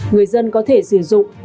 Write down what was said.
người dân có thể sử dụng